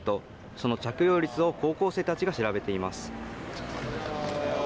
その着用率を高校生たちが調べています。